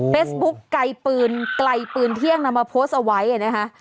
เฟสบุ๊กไกลปืนเที่ยงนำมาโพสต์เอาไว้เนี่ยฮะ